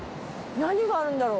何があるんだろう？